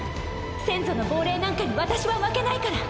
先祖の亡霊なんかに私は負けないから。